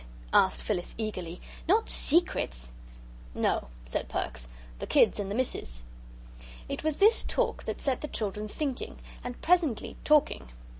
asked Phyllis, eagerly. "Not secrets?" "No," said Perks, "the kids and the Missus." It was this talk that set the children thinking, and, presently, talking.